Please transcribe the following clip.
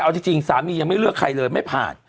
เอาจริงสามียังไม่เลือกใครเลยไม่ผ่าน